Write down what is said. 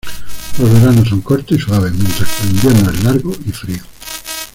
Los veranos son cortos y suaves, mientras que el invierno es largo y frío.